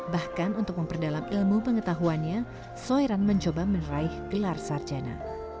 bahkan untuk memperdalam ilmu pengetahuannya soiran mencoba meneraih gelar sarjana